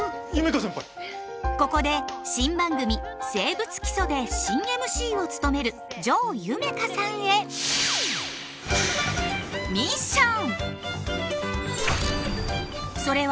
ここで新番組「生物基礎」で新ＭＣを務める城夢叶さんへミッション！